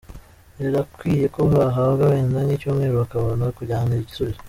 Birakwiye ko bahabwa wenda nk’icyumweru bakabona kujyana igisubizo.